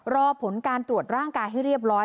รอผลการตรวจร่างกายให้เรียบร้อย